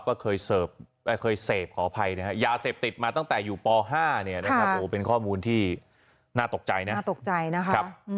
ก็เคยเสพขออภัยนะฮะยาเสพติดมาตั้งแต่อยู่ป๕เป็นข้อมูลที่น่าตกใจนะครับ